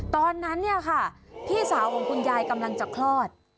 ตอนนั้นเนี่ยค่ะพี่สาวของคุณยายกำลังจะคลอด